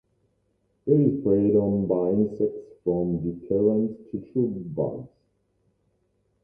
It is preyed on by insects from dipterans to true bugs.